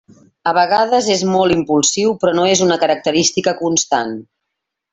A vegades és molt impulsiu però no és una característica constant.